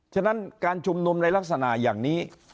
ฉะนั้นการชุมนุมในลักษณะอย่างนี้